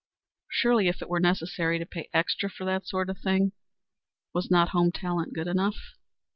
Surely, if it were necessary to pay extra for that sort of thing, was not home talent good enough?